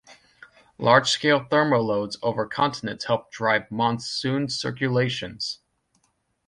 Large-scale thermal lows over continents help drive monsoon circulations.